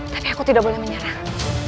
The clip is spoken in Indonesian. tapi aku tidak boleh menyerang